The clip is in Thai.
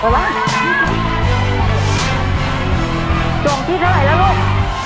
รูปหว่าตรงที่เท่าไรแล้วลูก